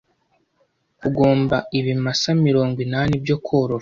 ugomba ibimasa mirongo inani byo korora